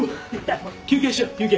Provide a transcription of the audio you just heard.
休憩しよ休憩。